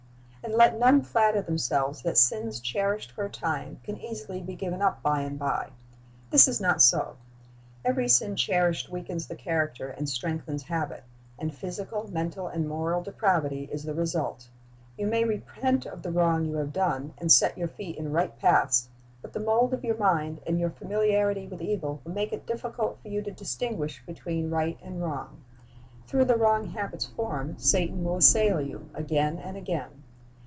And let none flatter themselves that sins cherished for a time can easily be given up by and by. This is not so. Every sin cherished weakens the character and strengthens habit; and physical, mental, and moral depravity is the result. You may repent of the wrong you have done, and set your feet in right paths; but the mold of your mind and your familiarity with evil will make it difficult for you to distinguish between right and wrong. Through the wrong habits formed, Satan will assail you again and again.